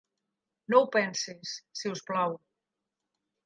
No ho pensis, si us plau.